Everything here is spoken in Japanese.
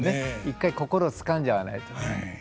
一回心をつかんじゃわないとね。